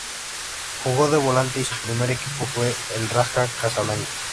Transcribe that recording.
Jugó de volante y su primer equipo fue el Raja Casablanca.